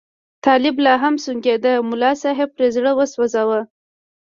طالب لا هم سونګېده، ملا صاحب پرې زړه وسو.